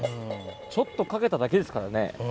ちょっとかけただけですからね。